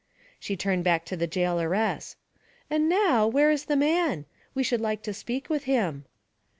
She turned back to the jailoress. 'And now, where is the man? We should like to speak with him.'